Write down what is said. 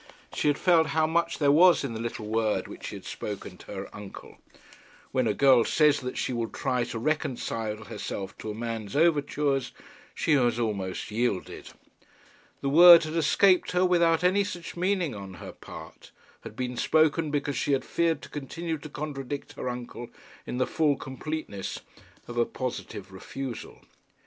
She had felt how much there was in the little word which she had spoken to her uncle. When a girl says that she will try to reconcile herself to a man's overtures, she has almost yielded. The word had escaped her without any such meaning on her part, had been spoken because she had feared to continue to contradict her uncle in the full completeness of a positive refusal.